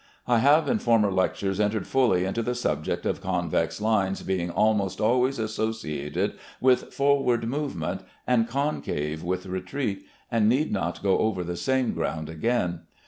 I have in former lectures entered fully into the subject of convex lines being almost always associated with forward movement, and concave with retreat, and need not go over the same ground again.